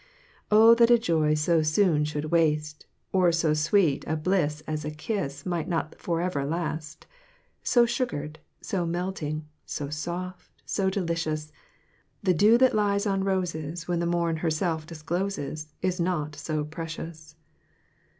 Oh that a joy so soon should waste! Or so sweet a bliss as a kiss Might not forever last! So sugared, so melting, so soft, so delicious. The dew that lies on roses, When the morn herself discloses, Is not so precious.